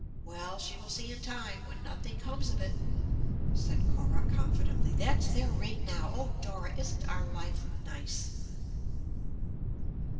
"Well, she will see in time, when nothing comes of it," said Cora confidently. "That's their ring, now. Oh, Dora, isn't our life nice!"